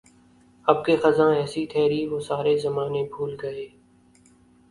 اب کے خزاں ایسی ٹھہری وہ سارے زمانے بھول گئے